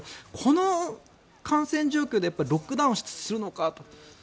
この感染状況でロックダウンをするのかと。